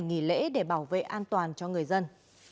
nghỉ lễ để bảo vệ an toàn cho người dân